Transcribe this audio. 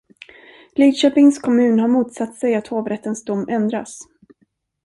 Lidköpings kommun har motsatt sig att hovrättens dom ändras.